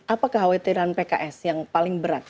apakah khawatiran pks yang paling berat